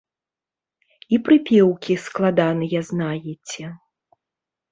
І прыпеўкі складныя знаеце.